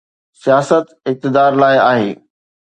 سياست اقتدار لاءِ آهي.